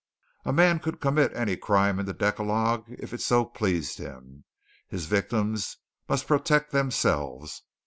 A man could commit any crime in the decalogue if so it pleased him. His victims must protect themselves.